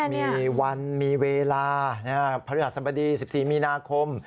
มีวันมีเวลาพระฤหัสบดี๑๔มีนาคม